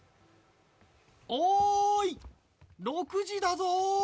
おーい、６時だぞー！